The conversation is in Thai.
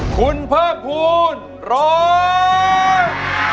คุณเผอร์พูนร้อง